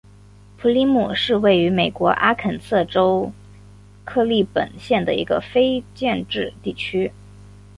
普里姆是位于美国阿肯色州克利本县的一个非建制地区。